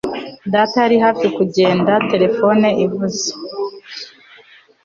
Data yari hafi kugenda telefone ivuze